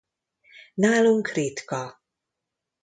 Nálunk ritka.